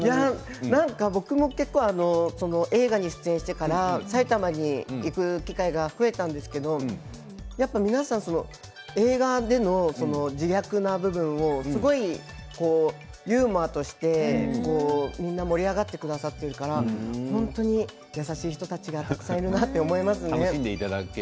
僕も映画に出演してから埼玉に行く機会が増えたんですけど皆さん映画での自虐な部分もすごいユーモアとしてみんな盛り上がってくださっているから本当に優しい人たちがたくさんいるなと思いますね。